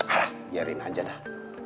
alah biarin aja dah